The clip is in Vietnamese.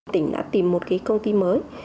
tỉnh đã tìm một công ty mới